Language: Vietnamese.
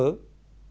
cuộc sống phập phù